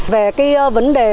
về vấn đề